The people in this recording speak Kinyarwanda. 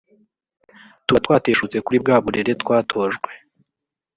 tuba twateshutse kuri bwa burere twatojwe